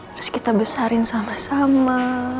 terus kita besarin sama sama